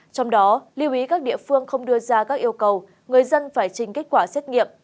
trong đó lưu ý các địa phương không đưa ra các yêu cầu người dân phải trình kết quả xét nghiệm